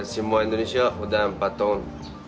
semua indonesia sudah empat tahun